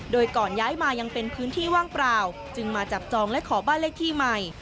โดยก่อนย้ายมายังเป็นพื้นที่ว่างเปล่าจึงมาจับจองและขอบ้านเลขที่ใหม่